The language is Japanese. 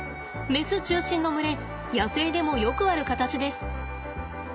メス中心の群れ野生でもよくある形です。